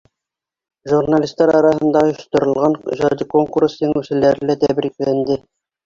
Журналистар араһында ойошторолған ижади конкурс еңеүселәре лә тәбрикләнде.